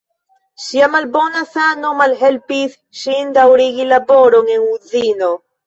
Ŝia malbona sano malhelpis ŝin daŭrigi laboron en uzino.